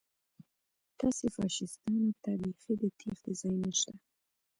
تاسې فاشیستانو ته بیخي د تېښتې ځای نشته